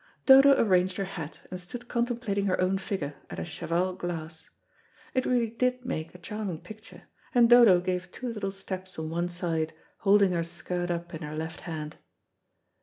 Dodo arranged her hat and stood contemplating her own figure at a cheval glass. It really did make a charming picture, and Dodo gave two little steps on one side, holding her skirt up in her left hand.